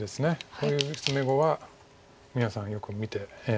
こういう詰碁は皆さんよく見て。